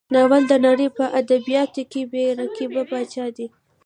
ناول د نړۍ په ادبیاتو کې بې رقیبه پاچا دی.